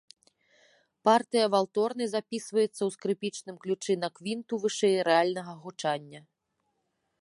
Партыя валторны запісваецца ў скрыпічным ключы на квінту вышэй рэальнага гучання.